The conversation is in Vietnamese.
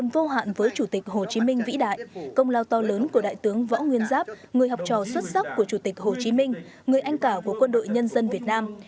vô hạn với chủ tịch hồ chí minh vĩ đại công lao to lớn của đại tướng võ nguyên giáp người học trò xuất sắc của chủ tịch hồ chí minh người anh cả của quân đội nhân dân việt nam